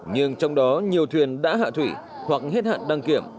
nhưng trong đó nhiều thuyền đã hạ thủy hoặc hết hạn đăng kiểm